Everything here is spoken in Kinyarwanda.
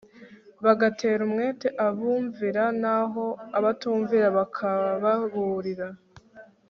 bagatera umwete abumvira naho abatumvira bakababurira